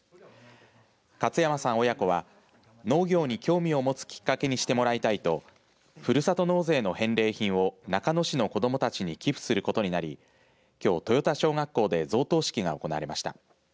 勝山さん親子は農業に興味を持つきっかけにしてもらいたいとふるさと納税の返礼品を中野市の子どもたちに寄付することになりきょう豊田小学校で贈答式が行われました。